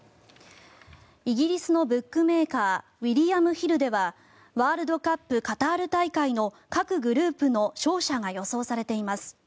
イギリスのブックメーカーウィリアム・ヒルではワールドカップカタール大会の各グループの勝者が予想されています。